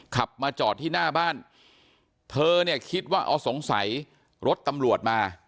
ขับมาจอดที่หน้าบ้านเธอเนี่ยคิดว่าอ๋อสงสัยรถตำรวจมา